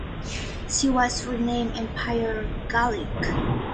She was renamed "Empire Gallic".